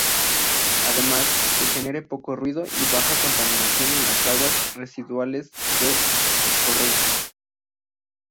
Además que genere poco ruido y baja contaminación en las aguas residuales de escorrentía.